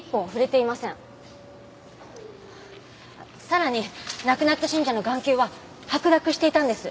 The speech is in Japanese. さらに亡くなった信者の眼球は白濁していたんです。